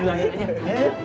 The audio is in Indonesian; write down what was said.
silakan pak komar